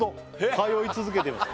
「通い続けています」